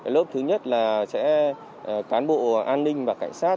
lớp thứ nhất là sẽ cán bộ an ninh và cảnh sát